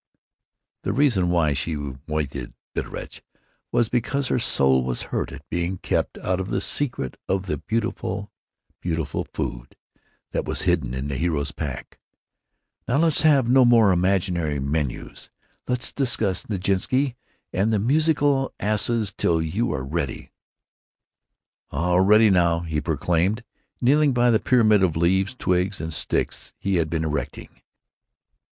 The reason why she weinted bitterlich was because her soul was hurt at being kept out of the secret of the beautiful, beautiful food that was hidden in the hero's pack. Now let's have no more imaginary menus. Let's discuss Nijinsky and the musical asses till you are ready——" "All ready now!" he proclaimed, kneeling by the pyramid of leaves, twigs, and sticks he had been erecting.